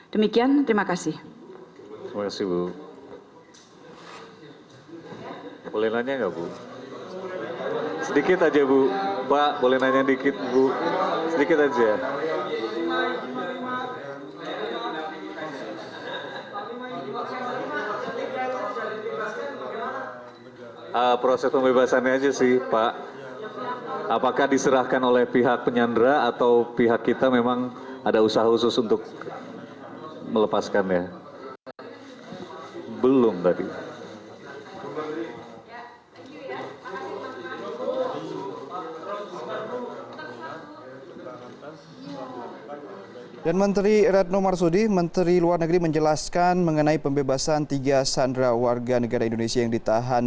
demikian terima kasih